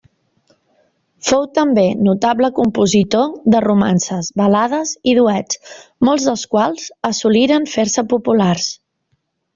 Fou també notable compositor de romances, balades i duets, molts dels quals assoliren fer-se populars.